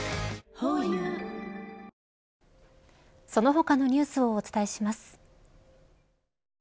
ホーユーその他のニュースをお伝えします。